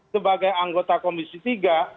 sebagai anggota komisi tiga